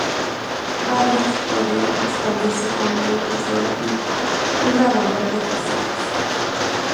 Varias podían expandirse con una impresora, y un grabador de casetes.